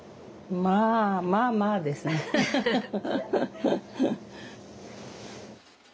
まあまあまあですねフフフフ。